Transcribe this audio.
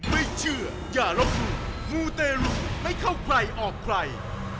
ไม่เชื่ออย่าลบหลู่มูเตรุไม่เข้าใครออกใคร